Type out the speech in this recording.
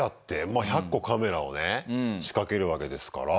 まあ１００個カメラをね仕掛けるわけですから。